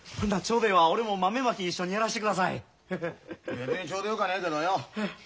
別にちょうどよかねえけどよ。